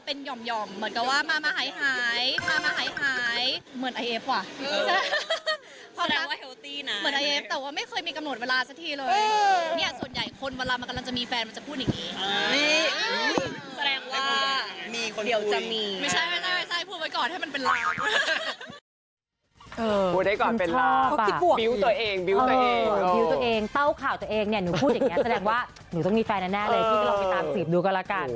เต้าข่าวตัวเองเนี่ยหนูพูดอย่างงี้แสดงว่าหนูต้องมีแฟนอ่ะแน่เลยพี่ก็ลองไปตามสีบดูกันละกัน